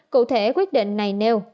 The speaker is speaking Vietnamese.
cụ thể quyết định này nêu